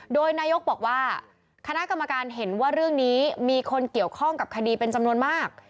โดยนายกบอกว่าคณะกรรมการเห็นว่าเรื่องนี้มีคนเกี่ยวข้องกับคดีเป็นจำนวนมาก